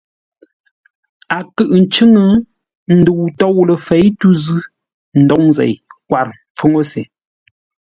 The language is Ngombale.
A kʉʼʉ ncʉ́ŋə́, ndəu tôu ləfěi tû zʉ́, ndôŋ zêi kwâr ḿpfúŋə́ se.